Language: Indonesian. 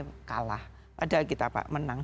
partai kalah padahal kita menang